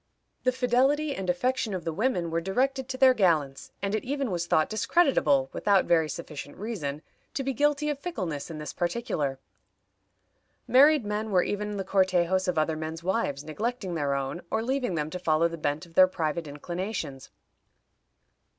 The fidelity and affection of the women were directed to their gallants, and it even was thought discreditable, without very sufficient reason, to be guilty of fickleness in this particular. Married men were even the cortejos of other men's wives, neglecting their own, or leaving them to follow the bent of their private inclinations.